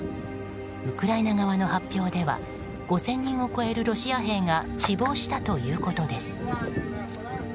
ウクライナ側の発表では５０００人を超えるロシア兵が死亡したということです。